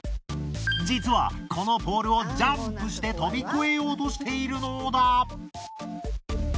実はこのポールをジャンプして飛び越えようとしているのだ。